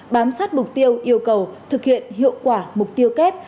bám sát mục tiêu yêu cầu thực hiện hiệu quả mục tiêu kép